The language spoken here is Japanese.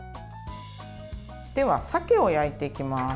では、鮭を焼いていきます。